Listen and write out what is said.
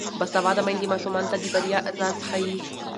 باسواده میندې ماشومانو ته د بریا راز ښيي.